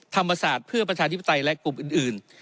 ธรรมศาสตร์เพื่อประชาธิปไตยและกลุ่มอื่น